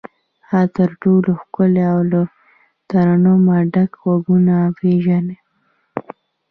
هغه تر ټولو ښکلي او له ترنمه ډک غږونه پنځوي.